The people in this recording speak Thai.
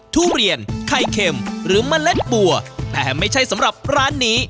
ทุเรียนไข่เค็มหรือเมล็ดบัวแต่ไม่ใช่สำหรับร้านนี้